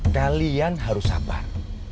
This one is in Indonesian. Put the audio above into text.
kalian harus sabar